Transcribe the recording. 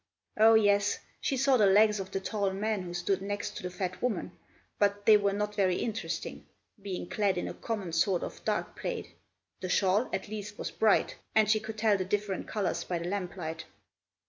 Oh, yes! she saw the legs of the tall man who stood next to the fat woman, but they were not very interesting, being clad in a common sort of dark plaid: the shawl, at least, was bright, and she could tell the different colours by the lamplight.